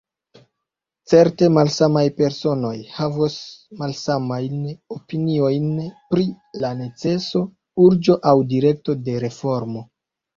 Certe malsamaj personoj havos malsamajn opiniojn pri la neceso, urĝo aŭ direkto de reformo.